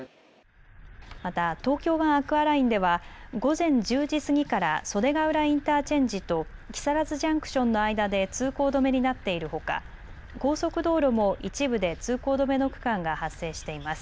また東京湾アクアラインでは午前１０時過ぎから袖ヶ浦インターチェンジと木更津ジャンクションの間で通行止めになっているほか高速道路も一部で通行止めの区間が発生しています。